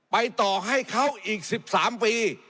ไปต่อให้เขาอีก๑๓ปี